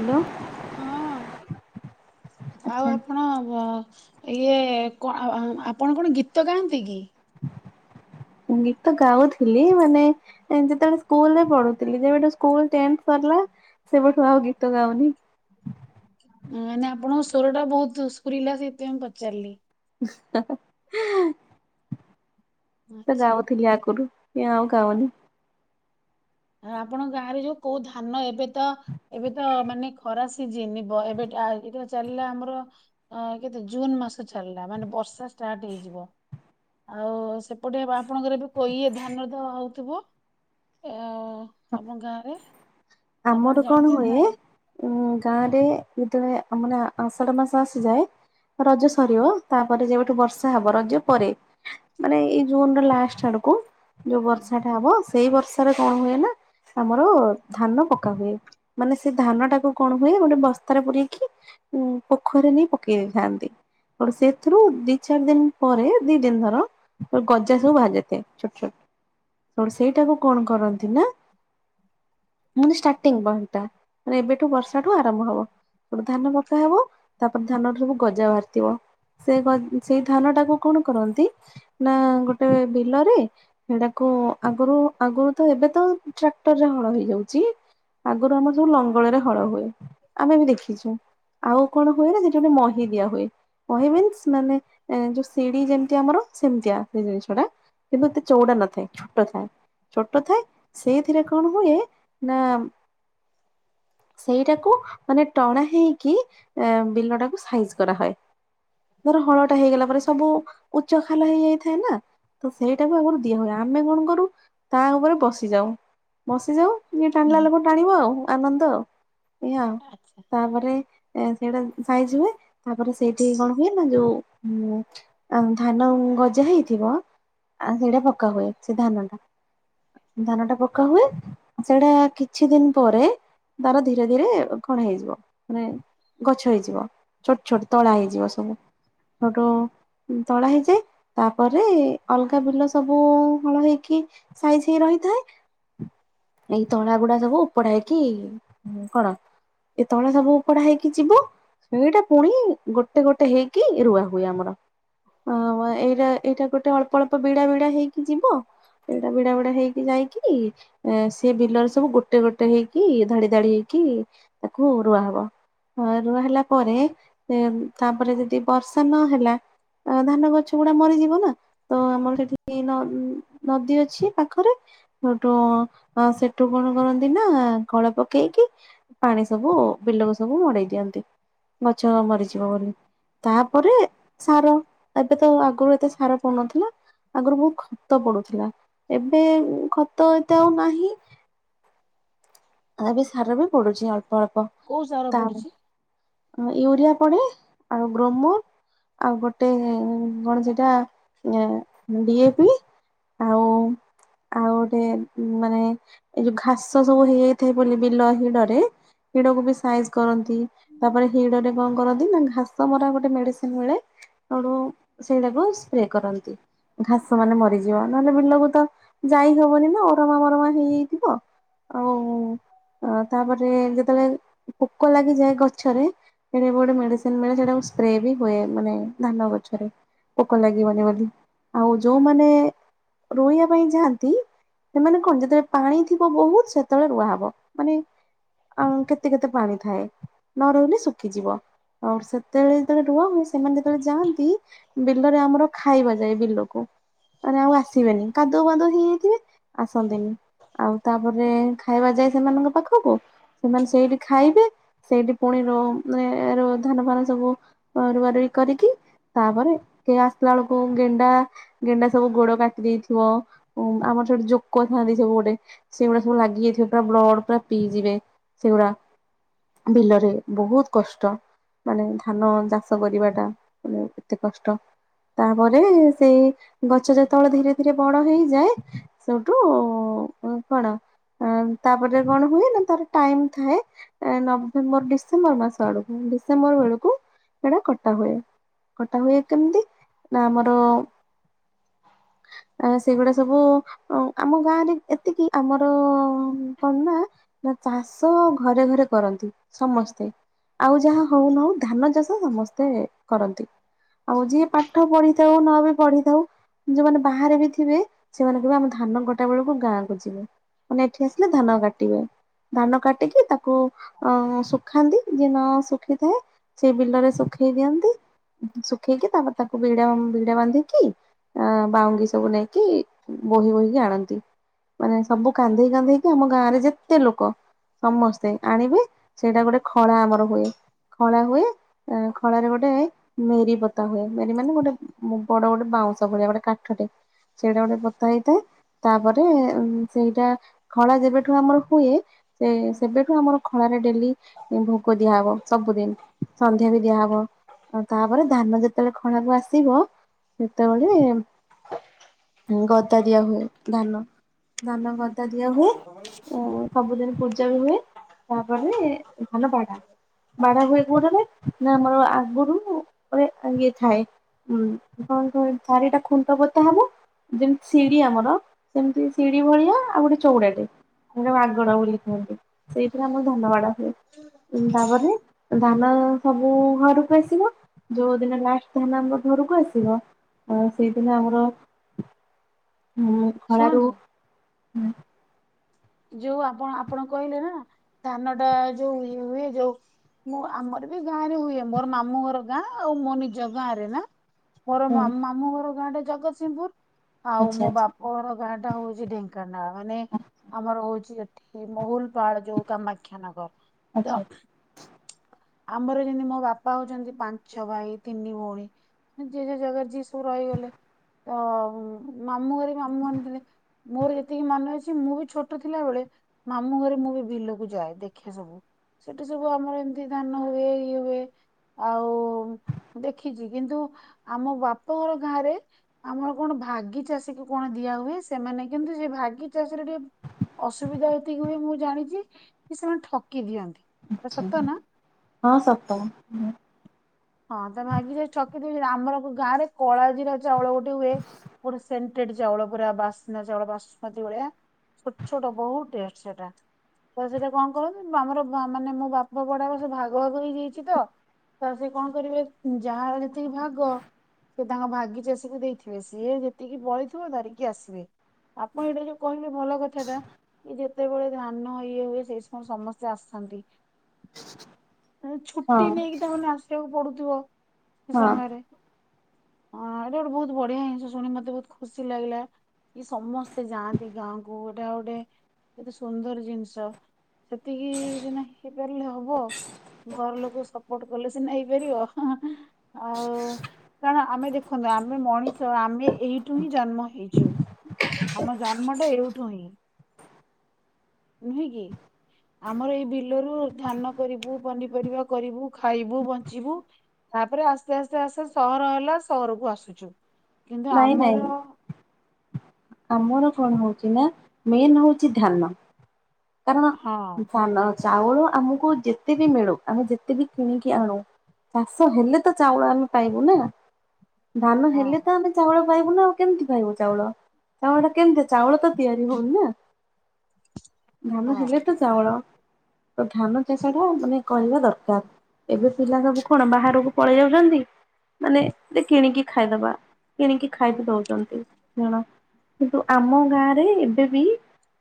Hello. ହଁ ଆଉ ଆଚ୍ଛା ଆପଣ ବ [unintelligible] ଇଏ କଁ ଆଉ ଆପଣ କଣ ଗୀତ ଗାଆନ୍ତି କି? ଗୀତ ଗାଉଥିଲି ମାନେ ଯେତେବେଳେ ସ୍କୁଲରେ ପଢୁଥିଲି ଯେବେଠୁ ସ୍କୁଲ ଟେନଥ୍ ସରିଲା ସେବେଠୁ ଆଉ ଗୀତ ଗାଉନି। ମାନେ ଆପଣଙ୍କ ସ୍ୱର ଟା ବହୁତ ସ୍ପୁରିଲା ସେଇଥିପାଇଁ ପଚାରିଲି। [unintelligible] ସେ ଆଚ୍ଛା ଗାଉ ଥିଲି ଆଗୁରୁ। ଇଏ ଆଉ ଗାଉନି। ଆପଣଙ୍କ ଗାଁରେ ଯୋଉ କୋଉ ଧାନ ଏବେ ତ ଏବେ ତ ମାନେ ଖରା ସି ଜିନିବ ଏବେ ଏଇଟା ଚାଲିଲା ଆମର କେତେ ଜୁନ୍ ମାସ ଚାଲିଲା ମାନେ ବର୍ଷା ଷ୍ଟାର୍ଟ ହେଇଯିବ ଆଉ ସେପଟେ ଆପଣଙ୍କର ଏବେ କହି ଇଏ ଧାନ ଦ ଆଉ। ଥିବ ଏ। ହଉ [unintelligible] ଆମ ଗାଁ ରେ ଆମର କଣ ହୁଏ ଗାଁ ରେ ଯେତେବେଳେ ମାନେ ଆଷାଢ ମାସ ଆସିଯାଏ ରଜ ସରିବ ତାପରେ ଯେବେଠୁ ବର୍ଷା ହବ ରଜ ପରେ ମାନେ ଏଇ ଜୁନ ର ଲାଷ୍ଟ ଆଡକୁ ଯୋଉ ବର୍ଷା ଟା ହବ। ସେଇ ବର୍ଷାରେ କଣ ହୁଏ ନା ଆମର ଧାନ ପକା ହୁଏ ମାନେ ସେ ଧାନ ଟାକୁ କଣ ହୁଏ ଗୋଟେ ବସ୍ତାରେ ପୂୁରଇକି ଉ ପୋଖରୀରେ ନେଇ ପକେଇ ଦେଇଥାନ୍ତି। ତ ସେଥିରୁ ଦି ଚାରି ଦିନ ପରେ ଦି ଦିନ ଧଥର ଗଜା ସବୁ ବାାହାରାଇଥାଏ ଛୋଟ ଛୋଟ ତ ସେଇଟାକୁ କଣ କରନ୍ତି ନା। ମ ଷ୍ଟାର୍ଟିଂ ପଏଣ୍ଟ ଟା ମେ ଏବେଠୁ ବର୍ଷାଠୁ ଆରମ୍ଭ ହବ ଗଟୁ ଧାନ ପକା ହବ ତାପରେ ଧାନଠୁ ସବୁ ଗଜା ବାହାରିଥିବ ସେ ସେଇ ଧାନ ଟାକୁ କଣ କରନ୍ତି ନା ଗୋଟେ ବିଲରେ ସେଟାକୁ ଆଗରୁ ଆଗରୁ ତ ଏବେ ତ ଟ୍ରାକ୍ଟରରେ ହଳ ହେଇଯାଉଛି। ଆଗରୁ ଆମର ସୁ ଲଙ୍ଗଳରେ ହଳ ହୁଏ ଆମେ ବି ଦେଖିଛୁ ଆଉ କଣ ହୁଏ ନା ସେଠି ଗୋଟେ ମହି ଦିଆ ହୁଏ ମହି ମିନ୍ସ ମାନେ ଯୋଉ ଶିଡି ଯେମିତି ଆମର ସେମିତିଆ ସେ ଜିନିଷ ଟା କିନ୍ତୁ ଏତେ ଚଉଡା ନଥାଏ ଛୋଟ ଥାଏ ଛୋଟ ଥାଏ ସେଇଥିରେ କଣ ହୁଏ। ନା ସେଇଟାକୁ ମାନେ ଟଣା ହେଇକି ବିଲ ଟାକୁ ସାଇଜ କରା ହଏ ଧର ହଳଟା ହେଇଗଲା ପରେ ସବୁ ଉଚ୍ଚ ଖାଲ ହେଇଯାଇଥାଏ ନା ତ ସେଇଟାକୁ ଆଗରୁ ଦିଆ ହୁଏ ଆମେ କଣ କରୁ ତା ଉପରେ ବସିଯାଉ ବସିଯାଉ ଟିକେ ଟାଣିଲା ହୁଁ ଲୋକ ଟାଣିବ ଆଉ ଆନନ୍ଦ ଆଉ। ଏଇଆାଉ ଆଚ୍ଛା ତାପରେ ଏ ସେଇଟା ସାଇଜ ହୁଏ ତାପରେ ସେଇଠି କଣ ହୁଏ ନା ଯୋଉ ଧାନ ଗଜା ହେଇଥିବ ସେଇଟା ପକା ହୁଏ ସେ ଧାନଟା ଧାନଟା ପକା ହୁଏ। ସେଇଟା କିଛି ଦିନ ପରେ ତାର ଧୀରେ ଧୀରେ ଘଣା ହେଇଯିବ ମାନେ ଗଛ ହେଇଯିବ ଛୋଟ ଛୋଟ ତଳା ହେଇଯିବ ସବୁ ଛୋଟ ତଳା ହେଇଯାଏ ତାପରେ ଅଲଗା ବିଲ ସବୁ ହଳ ହେଇକି ସାଇ ସାଇ ରହିଥାଏ। ଏଇ ତଳା ଗୁଡା ସବୁ ଉପଡା ହେଇକି କଣ ଏଇ ତଳା ସବୁ ଉପଡା ହେଇକି ଯିବ ସେଇଟା ପୁଣି ଗୋଟେ ଗୋଟେ ହେଇକି ରୁଆ ହୁଏ ଆମର ଏଇଟା ଏଇଟା ଗୋଟେ ଅଳ୍ପ ଅଳ୍ପ ବିଡା ବିଡା ହେଇକି ଯିବ ଏଇଟା ବିଡା ବିଡା ହେଇକି ଯାଇକି। ଏ ସେ ବିଲରେ ସବୁ ଗୋଟେ ଗୋଟେ ହେଇକି ଧାଡି ଧାଡି ହେଇକି ତାକୁ ରୁଆହବ ରୁଆ ହେଲା ପରେ ତାପରେ ଯଦି ବର୍ଷା ନହେଲା ଧାନ ଗଛ ଗୁଡା ମରିଯିବ ନା ତ ଆମର ସେଠି ନଦୀ ଅଛି ପାଖରେ ସେଠୁ ସେଠୁ କଣ କରନ୍ତି ନା କଳା ପକେଇକି ପାଣି ସବୁ ବିଲକୁ ସବୁ ମଡେଇ ଦିଅନ୍ତି ଗଛ ମରିଯିବ ବୋଲି ତାପରେ ସାର ଏବେ ତ ଆଗରୁ ଏତେ ସାର ପଡୁନଥିଲା ଆଗରୁ ବହୁତ ଖତ ପଡୁଥିଲା ଏବେ ଖତ ତ ନାହିଁ। ଆ ବି ସାର ବି ପଡୁଛି ଅଳ କୋଉ ସାର ପଡୁଛି। ୟୁରିଆ ପଡେ ଆଉ ଗ୍ରୋମ ଆଉ ଗୋଟେ କଣ ସେଇଟା ଡିଏପି ଆଉ ଆଉ ଗୋଟେ ମାନେ ଏଇ ଯୋଉ ଘାସ ସବୁ ହେଇଯାଇ। ଥ ବୋଲି ବିଲ ହିଡ଼ରେ ହିଡ଼କୁ ବି ସାଇଜ କରନ୍ତି ତାପରେ ହିଡ଼ରେ କଣ କରନ୍ତି ନା ଘାସ ମରା ଗୋଟେ ମେଡିସିନ ମିଳେ ତୁ ସେଇଟାକୁ ସ୍ପ୍ରେ କରନ୍ତି ଘାସ ମାନେ ମରିଯିବ ନହେଲେ ବିଲକୁ ତ ଯାଇ ହବନି ନା ଅରମା ମରମା ହେଇଯାଇଥିବ ଆଉ। ଅ ତାପରେ ଯେତେବେଳେ ପୋକ ଲାଗିଯାଏ ଗଛରେ ସେଟା ଗୋଟେ ମେଡିସିନ ମିଳେ ସେଟାକୁ ସ୍ପ୍ରେ ବି ହୁଏ ମାନେ ଧାନ ଗଛରେ ପୋକ ଲାଗିବନି ବୋଲି ଆଉ ଯୋଉମାନେ ରୋୋଇବା ପାଇଁ ଯାଆନ୍ତି ସେମାନେ କଣ ଯେତେବେଳେ ପାଣି ଥିବ ବହୁତ ସେତେବେଳେ ରୁଆହବ। ମାନେ କେତେ କେତେ ପାଣି ଥାଏ ନ ରହିଲେ ଶୁଖିଯିବ ଆଉ ସେତେବେଳେ ଯେତେବେଳେ ରୁଆ ହୁଏ ସେମାନେ ଯେତେବେଳେ ଯାଆନ୍ତି ବିଲରେ ଆମର ଖାଇବା ଯାଏ ବିଲକୁ ମାନେ ଆଉ ଆସିବେନି କାଦଉ ବାଦୁ ହେଇଯାଇଥିବେ ଆସନ୍ତିନି ଆଉ ତାପରେ ଖାଇବା ଯାଏ। ସେମାନଙ୍କ ପାଖକୁ ସେମାନେ ସେଇଠି ଖାଇବେ ସେଇଠି ପୁଣି ରାନ ର ଧାନ ଫାନ ସବୁ ରୁଆ ରଗ କରିକି ତାପରେ କେହି ଆସିଲା ବେଳକୁ ଗେଣ୍ଡା ଗେଣ୍ଡା ସବୁ ଗୋଡ କାଟି ଦେଇଥିବ ଆମର ସେଟେ ଜୋକ ଥାନ୍ତି ସବୁ ଗୋଟେ ସେଗୁଡା ସବୁ ଲାଗିଯାଇଥିବ। ପୁରା ବ୍ଲଡ଼ ପୁରା ପିଇଯିବେ ସେଗୁଡା ବିଲରେ ବହୁତ କଷ୍ଟ ମାନେ ଧାନ ଚାଷ କରିବା ଟା ମାନେ ଏତେ କଷ୍ଟ ତାପରେ ସେଇ ଗଛ ଯେତେବେଳେ ଧୀରେ ଧୀରେ ବଡ ହେଇଯାଏ ସେଠୁ କଣ ତାପରେ କଣ ହୁଏ ନା ତାର ଟାଇମ ଥାଏ ନଭେମ୍ବର ଡିସେମ୍ବର ମାସ ଆଳକୁ ଡିସେମ୍ବର ବେଳକୁ ସେଇଡା କଟା ହୁଏ କଟା ହୁଏ କେମିତି ନା ଆମର ସେଗୁଡା ସବୁ ଆମ ଗାଁରେ ଏତିକି ଆମର କଣ ନା ନା ଚାଷ ଘରେ ଘରେ କରନ୍ତି ସମସ୍ତେ ଆଉ ଯାହା ହଉନ ହଉ ଧାନ ଚାଷ ସମସ୍ତେ କରନ୍ତି ଆଉ ଯିଏ ପାଠ ପଢିଥାଉ ନ ବି ପଢିଥାଉ ଯୋଉମାନେ ବାହାରେ ବି ଥିବେ ସେମାନେ କିବେ ଆମ ଧାନ ଗଟା ବେଳକୁ ଗାଁକୁ ଯିବେ ମାନେ ଏଠି ଆସ ଧାନ କାଟିବେ ଧାନ କାଟିକି ତାକୁ ଅ ଶୁଖାନ୍ତି ଯିଏ ନ ଶୁଖିଥାଏ ସେ ବିଲରେ ଶୁଖେଇ ଦିଅନ୍ତି ଶୁଖେଇକି ତାପ ତାକୁ ବିା ବିଡା ବାନ୍ଧିକି ବାଉଙ୍ଗି ସବୁ ନେଇକି ବୋହି ବୋହିକି ଆଣନ୍ତି ମାନେ ସବୁ କାଧେଇ କାଧେଇ ଆମ ଗାଁରେ ଯେତେ ଲୋକ ସମସ୍ତେ ଆଣିବେ ସେଇଟା ଗୋଟେ ଖଳା ଆମର ହୁଏ ଖଳା ହୁଏ ଖଳାରେ ଗୋଟେ ମେରି ବୋତା ହୁଏ ମେରି ମାନେ ଗୋଟେ ବଡ ଗୋଟେ ବାଉଁଶ ଭଳିଆ ଗୋଟେ କାଠଟେ ସେଇଟା ଗୋଟେ ପୋତା ହେଇଥାଏ ତାପରେ ସେଇଟା ଖଳା ଯେବେଠୁ ଆମର ହୁଏ ସେ ସେବେଠୁ ଆମର ଖଳାରେ ଡେଲି ଭୋଗ ଦିଆହବ ସବୁଦିନ ସନ୍ଧ୍ୟା ବି ଦିଆହବ ଆ ତାପରେ ଧାନ ଯେତେବେଳେ ଖଣାକୁ ଆସିବ ସେତେବେଳେ ଗଦା ଦିଆ ହୁଏ ଧାନ ଧାନ ଗଦା ହୁଏ ସବୁଦିନ ଜ ବି ହୁଏ ତାପରେ ଧାନ ବାା ହୁଏ ବାଢା ହୁଏ ଗରେ ନା ଆମର ଆଗରୁ ଇଏ ଥାଏ ଉଁ କଣ କ ଶାରିଟା ଖୁଣ୍ଟ ପତା ହବ ଯେମିତି ସିଡି ଆମର ସେମିତି ସିଡି ଭଳିଆ ଆଉ ଗୋଟେ ଚଉଡାଟେ ମାଗଣ ବୋଲି କୁହନ୍ତି ସେଇଥିରେ ଆମର ଧାନ ବାଡ ହୁଏ ତାପରେ ଧାନ ସବୁ ଘରକୁ ଆସିବ ଯୋଉ ଦିନ ଲାଷ୍ଟ ଧାନ ଆମର ଘରକୁ ଆସିବ ସେଇଦିନ ଆମର ହୁଁ ଫଳାରୁ ଶୁଣନ୍ତୁ ହୁଁ। ଯୋଉ ଆପଣ ଆପଣ କହିଲେ ନା ଧାନ ଟା ଯୋଉ ଇ ହୁଏ ଯୋଉ ମୁଁ ଆମର ବି ଗାଁ ରେ ହୁଏ ମୋର ମାମୁଁ ଘର ଗାଁ ଆଉ ମୋ ନିଜ ଗାଁ ରେ ନା। ମୋର ମାମୁ ଘର ଗାଁ ଟେ ଜଗତସିଂହପୁର। ଆଉ ଆଚ୍ଛା ମୋ ଆଚ୍ଛା ବାପର ଗାଡି ଟ ହଉଛି ଢେଙ୍କାନାଳ ମାନେ ଆମର ହଉଛି ଏଠି ମହୁଲ ପାଳ ଯୋଉ କାମାକ୍ଷାନଗର। ତ ଆଚ୍ଛା ଆମର ଯେମିତି ମୋ ବାପା ହଉଛନ୍ତି ପାଞ୍ଚ ଭାଇ ତିନି ଭଉଣୀ ଜେ ଜ ଜାଗାରେ ଯିଏ ସବୁ ରହିଗଲେ ତ ମାମୁଁ ଘରେ ବି ମାମୁଁ ମାନଥିଲେ ମୋର ଯେତିକି ମନେ ଅଛି ମୁଁ ବି ଛୋଟ ଥିଲା ବେଳେ ମାମୁଁ ଘରେ ମୁଁ ବି ବିଲକୁ ଯାଏ ଦେଖିବା ସବୁ ସେଠି ସବୁ ଆମର ଧାନ ହୁଏ ଇଏ ହୁଏ ଆଉ ଦେଖିଛି କିନ୍ତୁ ଆମ ବାପାଙ୍କର ଗାଁରେ ଆମର କଣ ଭାଗିଚଷୀକୁ କଣ ଦିଆ ହୁଏ ସେମାନେ କିନ୍ତୁ ସେ ଭାଗିଚଷୀରେ ଟିକେ ଅସୁବିଧା ଏତିକି ହୁଏ ମୁଁ ଜାଣିଛି କି ସେମାନେ ଠକି ଦିଅନ୍ତି। ଆ ଆଚ୍ଛା। ସତ ନା? ହଁ ସତ। ହଁ ତ ମାଗି ଯେ କି ଆମର ଗାଁରେ କଳା ଚାଉଳ ଗୋଟେ ହୁଏ ଗୋଟେ ଚାଉଳ ପୁରା ବାସିନା ଚାଉଳ ବାସୁମତିୀ ଭଳିଆ ଛୋଟ ଛୋଟ ବହୁତ ଟେଷ୍ଟ ସେଟା ତ ସେଇଟା କଣ କରନ୍ତି ଆମର ମାନେ ମୋ ବାପା ପଢଡାକ ସେ ଭାଗ ଭାଗ ହେଇଯାଇଛି ତ ସେ କଣ କରିବେ ଯାହାର ଯେତିକି ଭାଗ ସେ ତାଙ୍କ ଭାଗିଚଷୀକୁ ଦେଇଥିବେ ସିଏ ଯେତିକି ପଳଥିବ ଧାରିକି ଆସିବେ ଆପଣ ଏଇଟା ଯୋଉ କହିବେ ଭଲ କଥା ଟା କି ଯେତେବେଳେ ଧାନ ଇଏ ହୁଏ ସେଇ ସମୟ ସମସ୍ତେ ଆସନ୍ତି। ହଁ ଛୁଟି ନେଇକି ତାମାନେେ ଆସ ପଡୁଥିବ ହଁ ସମାରେ ହଁ ଏଇଟା ଗୋଟେ ବହୁତ ବଢିଆ ଜିନିଷ ଶୁଣି ମତେ ବହୁତ ଖୁସି ଲାଗିଲା ସମସ୍ତେ ସେ ଯାହାନ୍ତି ଗାଓଁ କ ଗଡ ଗଡେ ଏତେ ସୁନ୍ଦର ଜିନିଷ ସେତିକି ସିନା ହେଇପାରିଲେ ହବ ଘର ଲୋକ ସବ ବୋ କ ନେଇପାରିବ ଆଉ କାରଣ ଆମେ ଦେଖନ୍ତୁ ଆମେ ମଣିଷ ଆମେ ଏଇଠୁ ହିଁ ଜନ୍ମ ହେଇଛୁ ଆମ ଜନ୍ମଟା ଏଇଠୁ ହିଁ ନୁହେଁ କି ଆମର ଏଇ ବିଲରୁ ଧାନ କରିବୁ ପନିପରିବା କରିବୁ ଖାଇବୁ। ବଞ୍ଚିବୁ ତାପରେ ଆସ୍ତେ ଆସ୍ତେ ଆସ୍ତେ ସହର ହେଲା ସହରକୁ ଆସୁଛୁ। କିନ୍ତୁ ନାଇଁ ନାଇଁ ଆମର ଆମର କଣ ହଉଛି ନା ମେନ୍ ହଉଛି ଧ୍ୟାନ। ହଁ କାରଣ ଚାଉଳ ଆମକୁ ଯେତେ ବି ମିଳୁ, ଆମେ ଯେତେ ବି କିଣିକି ଆଣୁ, ଚାଷ ହେଲେ ତ ଚାଉଳ ଆମେ ପାଇବୁ ନା। ଧାନ ହଁ ହେଲେ ଚାଉଳ ପାଇବୁ ନା ଆଉ କେମିତି ପାଇଵୁ ଚାଉଳ ଚାଉଳ ଟା କେମିତି ଚାଉଳ ତ ତିଆରି ହଉନି ନା ଧାନ ହଁ ହେଲେ ତ ଚାଉଳ। ତ ଧାନ ଚାଷ ଟା ମାନେ କରିବା ଦରକାର। ଏବେ ପିଲା ସବୁ କଣ ବାହାରକୁ ପଳେଇ ଯାଉ ନାହାନ୍ତି ମାନେ ଯେ କିଣିକି ଖାଇଦବା। କିଣିକି ଖାଇକି ଦଉଛନ୍ତି ଜଣ। କିନ୍ତୁ ଆମ ଗାଁ ରେ ଏବେବି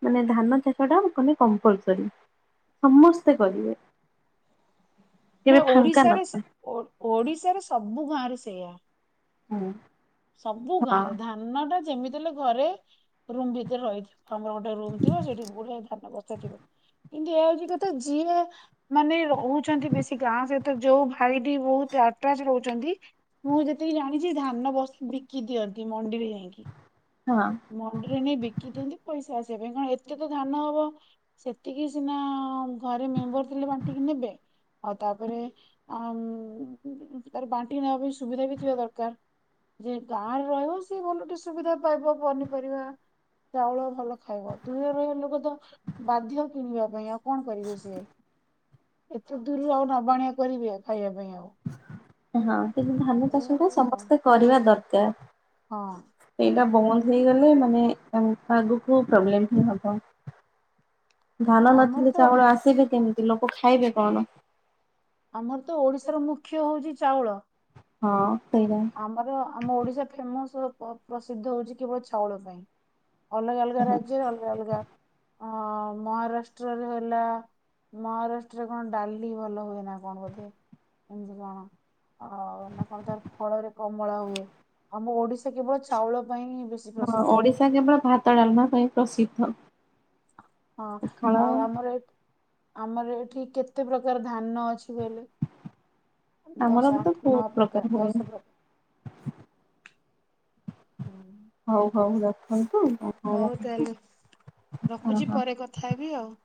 ମାନେ ଧାନ ଚାଷ ଟା ମାନେ କମ୍ପଲସରୀ, ସମସ୍ତେ କରିବେ। କେବେ ନା ଫାଙ୍କା ଓଡ଼ିଶାରେ, ନଥାଏ। ଓଡ଼ିଶାରେ ସବୁ ଗାଁ ରେ ସେଇଆ। ହୁଁ। ସବୁ ଗାଁରେ, ହଁ ଧାନ ଟା ଯେମିତି ହେଲେ ଘରେ ରୁମ୍ ଭିତରେ ରହିଥିବ। ଆମର ଗୋଟେ ରୁମ ଥିବ ସେଇଠି ଗୁଡ଼ାଏ ଧାନ ବସ୍ତା ଥିବ। କିନ୍ତୁ ଏଆ ହଉଛି କଥା ଯିଏ, ମାନେ ରହୁଛନ୍ତି ବେଶୀ ଗାଁ ସହିତ, ଯୋଉ ଭାଇଟି ବହୁତ ଆଟାଚ୍ ରହୁଛନ୍ତି, ମୁଁ ଯେତିକି ଜାଣିଛି ଧାନ ବସ୍ ବିକି ଦିଅନ୍ତି ମଣ୍ଡିରେ ଯାଇକି। ହଁ ମଣ୍ଡିରେ ନେଇ ବିକି ଦିଅନ୍ତି। ପଇସା ଆସିବା ପାଇଁ, କଣ ଏତେ ତ ଧାନ ହବ, ସେତିକି ସିନା ଘରେ ମେମ୍ବର ଥିଲେ ବାଣ୍ଟିକି ନେବେ, ଆଉ ତାପରେ ଆମ୍ ତାରେ ବାଣ୍ଟିକି ନେବା ପାଇଁ ସୁବିଧା ବି ଥିବା ଦରକାର, ଯେ ଗାଁରେ ରହିବ ସେ ଭଲ ଟେ ସୁବିଧା ପାଇବ। ପନିପରିବା ଚାଉଳ ଭଲ ଖାଇବ, ଦୂରରେ ରହିବା ଲୋକ ତ ବାଧ୍ୟ କିଣିବା ପାଇଁ ଆଉ। କଣ କରିବେ ସିଏ। ଏତେ ଦୂରରୁ, ଆଉ ନବା ଆଣିବା କରିବି ଆଉ, ଖାଇବା ପାଇଁ ଆଉ। ହଁ। କିନ୍ତୁ ଧାନ ଏଇଆ ଚାଷ ଟା ହୁଏ ଆଉ ସମସ୍ତେ କରିବା ଦରକାର। କା [unintelligible] ହଁ। ବନ୍ଦ୍ ହେଇଗଲେ ମାନେ ଆଗକୁ ପ୍ରୋବ୍ଲେମ୍ ହି ହବ। ଧାନ ଆମର ନଥିଲେ ତ ଚାଉଳ ଆସିବେ କେମିତି। ଲୋକ ଖାଇବେ କଣ? ଆମର ତ ଓଡ଼ିଶାର ମୁଖ୍ୟ ହଉଛି ଚାଉଳ। ହଁ ସେଇଟା। ଆମର ଆମ ଓଡ଼ିଶା ଫେମସ୍। ପ୍ରସିଦ୍ଧ ହଉଛି କେବଳ ଚାଉଳ ପାଇଁ। ଅଲଗା ଅଲଗା ରାଜ୍ୟରେ ଅଲଗା ଅଲଗା। ଅ ମହାରାଷ୍ଟ୍ରରେ ହେଲା, ମହାରାଷ୍ଟ୍ରରେ କଣ ଡାଲି ଭଲ ହୁଏ ନା। କଣ ବୋଧେ ଏମିତି କଣ, ଆ ନା କଣ ତାର ଫଳରେ କମଳା ହୁଏ, ଆମ ଓଡିଶା କେବଳ ଚାଉଳ ପାଇଁ ହିଁ ବେଶୀ ହଁ ପ୍ରସିଦ୍ଧ ଓଡ଼ିଶା କେବଳ ଭାତ ଡାଲମା ପାଇଁ ପ୍ରସିଦ୍ଧ। ହଁ ପଖାଳ ଆଉ ଆମର ଏ ଆମର ଏଠି କେତେ ପ୍ରକାର ଧାନ ଅଛି। ଆମର ଦଶ ବି ତ ଆଠ ବହୁତ ପ୍ରକାର ନଅକାର ହୁଏ ଦଶ ପ୍ରକାର ହୁଁ ହଉ ହଉ ରଖ ରଖନ୍ତୁ। ହଉ ଓହୋ। ତାହେଲେ ରଖୁଛି ପରେ କଥା ହେବି ଆଉ।